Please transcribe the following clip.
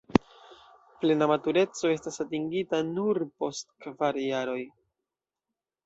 Plena matureco estas atingita nur post kvar jaroj.